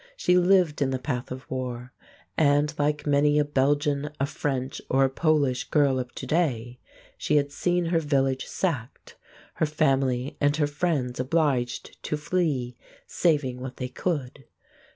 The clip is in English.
She lived in the path of war, and, like many a Belgian, a French, or a Polish girl of today, she had seen her village sacked, her family and her friends obliged to flee saving what they could.